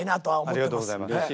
ありがとうございます。